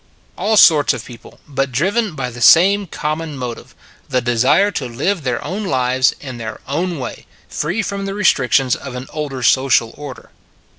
All sorts of people, but driven by the same common motive the desire to live their own lives in their own way, free from the restrictions of an older social order.